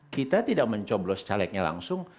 kita tidak mencoblos calegnya langsung